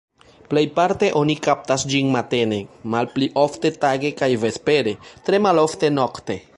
Plejparte oni kaptas ĝin matene, malpli ofte tage kaj vespere, tre malofte nokte.